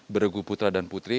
beragup putra dan putri